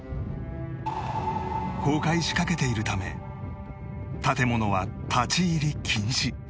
崩壊しかけているため建物は立ち入り禁止